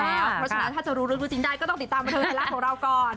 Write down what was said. เพราะฉะนั้นถ้าจะรู้ลึกรู้จริงได้ก็ต้องติดตามไปด้านล่างของเราก่อน